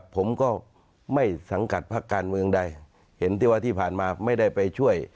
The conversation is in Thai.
ผมก็ไม่สังกัดพักการเมืองใดเห็นที่ว่าที่ผ่านมาไม่ได้ไปช่วย